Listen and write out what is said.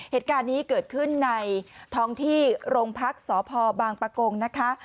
เหตุการณ์นี้เกิดขึ้นในท้องที่โรงพักษ์สพบางปะโกงนะคะ